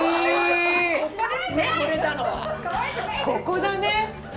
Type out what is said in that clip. ここだね。